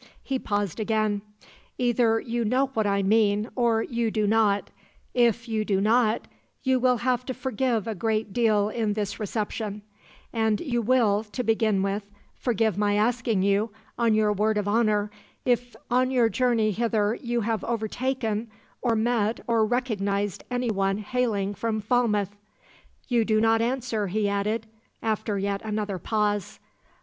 He paused again. 'Either you know what I mean, or you do not; if you do not, you will have to forgive a great deal in this reception; and you will, to begin with, forgive my asking you, on your word of honour, if on your journey hither you have overtaken or met or recognized any one hailing from Falmouth. You do not answer,' he added, after yet another pause.